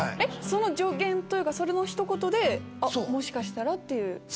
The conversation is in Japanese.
その助言というかそのひと言でもしかしたら？っていう。